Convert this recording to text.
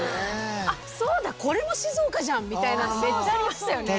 「あっそうだこれも静岡じゃん」みたいなのめっちゃありましたよね。